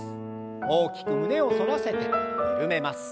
大きく胸を反らせて緩めます。